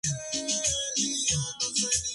Él escribió la canción durante un paseo con su abuelo.